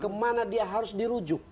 kemana dia harus dirujuk